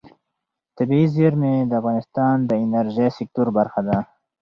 طبیعي زیرمې د افغانستان د انرژۍ سکتور برخه ده.